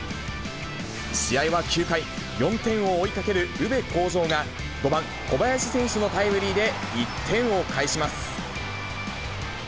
試合は９回、４点を追いかける宇部鴻城が、５番小林選手のタイムリーで１点を返します。